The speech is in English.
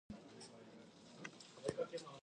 Players already on sponsorship lists were ineligible.